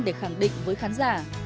để khẳng định với khán giả